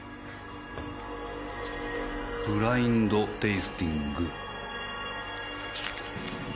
「ブラインド・テイスティング」？